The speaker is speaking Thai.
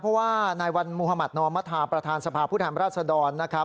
เพราะว่านายวันมุธมัตินอมมธาประธานสภาพุทธรรมราษฎรนะครับ